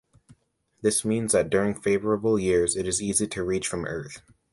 This means that during favourable years it is easy to reach from Earth.